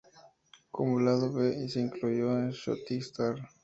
Como lado B, se incluyó "Shooting Star".